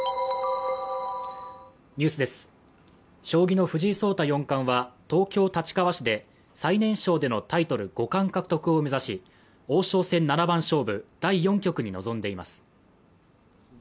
将棋の藤井聡太四冠は、東京・立川市で、最年少でのタイトル五冠獲得を目指し王将戦七番勝負第４局に臨んでいます。